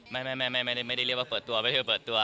แม่ไม่ได้เรียกว่าเปิดตัวไม่ได้เรียกว่าเปิดตัว